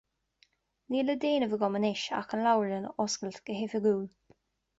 Níl le déanamh agam anois ach an leabharlann a oscailt go hoifigiúil.